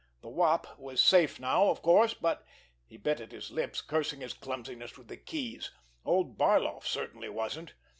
The Wop was safe now, of course, but—he bit at his lips, cursing his clumsiness with the keys—old Barloff certainly wasn't!